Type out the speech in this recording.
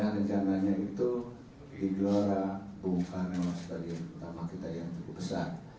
rencananya itu di gelora bung karno stadion utama kita yang cukup besar